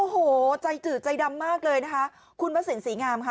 โอ้โหใจจืดใจดำมากเลยนะคะคุณพระสินศรีงามค่ะ